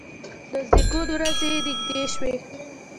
د زیږون ورځې یې نږدې شوې.